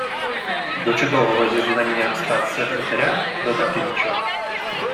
До чудового зізнання статс-секретаря додати нічого